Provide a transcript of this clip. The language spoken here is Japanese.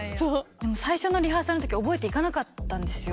でも最初のリハーサルのとき覚えていかなかったんですよ。